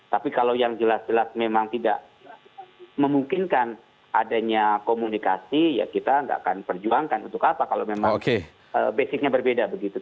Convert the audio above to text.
tapi kalau yang jelas jelas memang tidak memungkinkan adanya komunikasi ya kita nggak akan perjuangkan untuk apa kalau memang basicnya berbeda begitu